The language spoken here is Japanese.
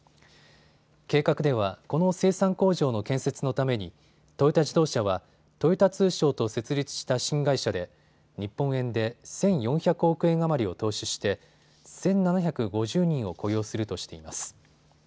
計画ではこの生産工場の建設のためにトヨタ自動車は豊田通商と設立した新会社で日本円で１４００億円余りを投資して１７５０人を雇用するとしています。